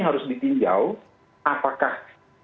harus dipindahkan apakah